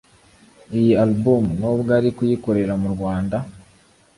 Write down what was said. Iyi Album n’ubwo ari kuyikorera mu Rwanda